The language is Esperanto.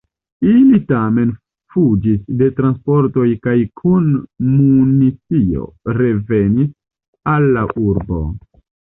Ili tamen fuĝis de transportoj kaj kun municio revenis al la urbo.